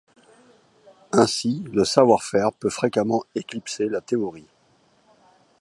Ainsi, le savoir-faire peut fréquemment éclipser la théorie.